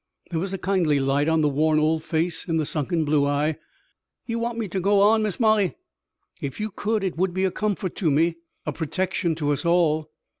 There was a kindly light on the worn old face, in the sunken blue eye. "Ye want me ter go on, Miss Molly?" "If you could it would be a comfort to me, a protection to us all."